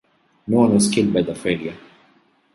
No one was killed by the failure.